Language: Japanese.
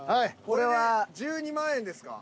これで１２万円ですか？